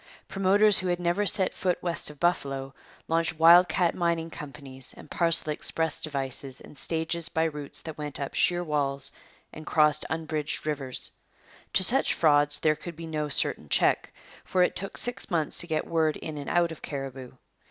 Promoters who had never set foot west of Buffalo launched wild cat mining companies and parcel express devices and stages by routes that went up sheer walls and crossed unbridged rivers. To such frauds there could be no certain check; for it took six months to get word in and out of Cariboo.